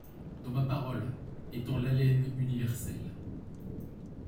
Dans ma parole, étant l’haleine universelle ;